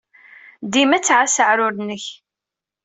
Dima ttɛassa aɛrur-nnek.